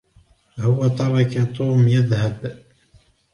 هو تركَ توم يذهب.